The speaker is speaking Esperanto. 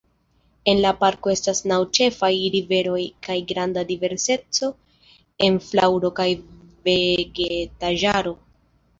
En la parko estas naŭ ĉefaj riveroj kaj granda diverseco en flaŭro kaj vegetaĵaro.